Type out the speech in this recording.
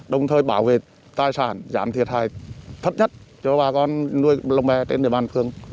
đồng thời bảo vệ tài sản giảm thiệt hại thấp nhất cho bà con nuôi lồng bè trên địa bàn phường